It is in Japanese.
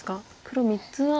黒３つは。